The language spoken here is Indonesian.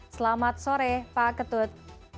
selamat sore pak ketut